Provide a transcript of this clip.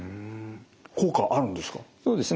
効果はあるんですか？